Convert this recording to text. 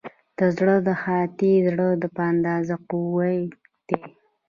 زړه د هاتي زړه په اندازه قوي دی.